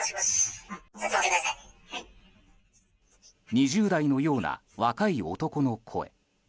２０代のような若い男の声。